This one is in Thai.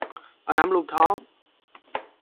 เอาน้ำลูบท้อง